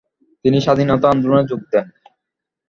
তিনি স্বাধীনতা আন্দোলনে যোগ দেন।